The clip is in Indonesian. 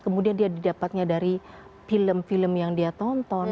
kemudian dia didapatnya dari film film yang dia tonton